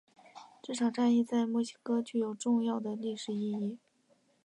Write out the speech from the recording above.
这场战役在墨西哥具有重要的历史意义。